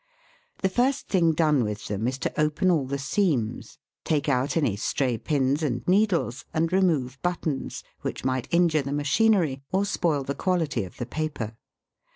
The first thing done with them is to open all the seams, take out any stray pins and needles, and remove buttons, which might injure the machinery or spoil the quality 01 the paper.